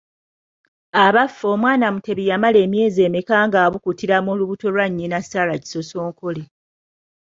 Abaffe omwana Mutebi yamala emyezi emeka ng’abukutira mu lubuto lwa nnyina Sarah Kisosonkole?